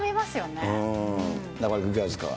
中丸君、いかがですか。